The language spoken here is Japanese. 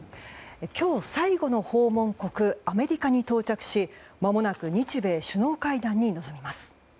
今日最後の訪問国アメリカに到着しまもなく日米首脳会談に臨みます。